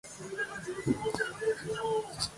いくら力を込めても壊れることはなさそうだった